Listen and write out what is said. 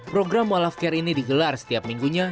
program mu'alaf care ini digelar setiap minggunya